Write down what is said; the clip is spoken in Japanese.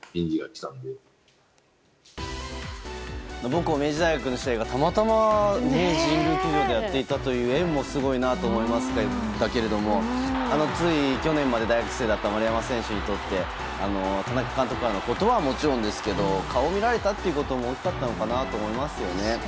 母校・明治大学の試合がたまたま神宮球場でやっていたという縁もすごいなと思いましたけれども去年まで大学生だった丸山選手にとって田中監督からの言葉ももちろんですけど顔を見られたということも大きかったのかなと思いますよね。